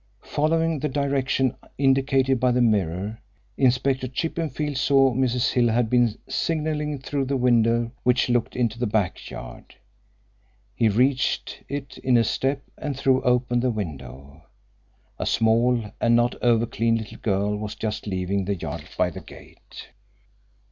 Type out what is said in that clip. Following the direction indicated by the mirror, Inspector Chippenfield saw Mrs. Hill had been signalling through a window which looked into the back yard. He reached it in a step and threw open the window. A small and not over clean little girl was just leaving the yard by the gate.